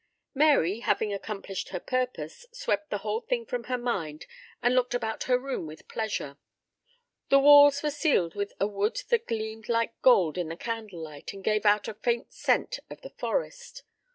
Mary, having accomplished her purpose, swept the whole thing from her mind and looked about her room with pleasure. The walls were ceiled with a wood that gleamed like gold in the candle light, and gave out a faint scent of the forest.